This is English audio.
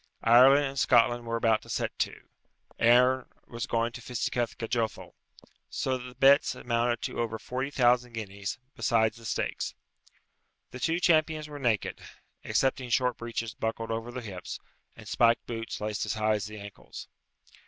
Ireland and Scotland were about to set to; Erin was going to fisticuff Gajothel. So that the bets amounted to over forty thousand guineas, besides the stakes. The two champions were naked, excepting short breeches buckled over the hips, and spiked boots laced as high as the ankles.